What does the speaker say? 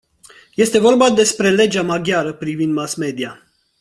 Este vorba despre legea maghiară privind mass-media.